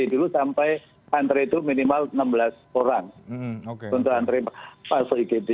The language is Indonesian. dulu sampai antre itu minimal enam belas orang untuk antre masuk igd